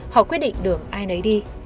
họ quyết định đường ai nấy đi